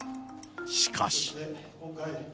しかし。